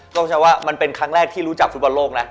ต้องใช้ว่ามันเป็นครั้งแรกที่รู้จักฟุตบอลโลกนะ